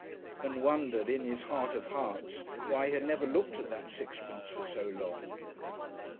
and wondered in his heart of hearts why he had never looked at that sixpence for so long.